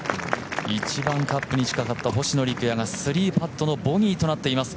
一番カップに近かった星野陸也が３パットのボギーとなっています。